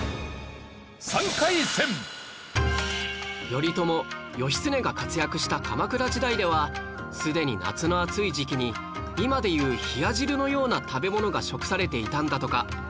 頼朝・義経が活躍した鎌倉時代ではすでに夏の暑い時期に今で言う冷や汁のような食べ物が食されていたんだとか